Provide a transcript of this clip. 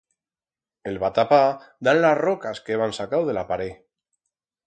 El va tapar dan las rocas que heban sacau de la paret.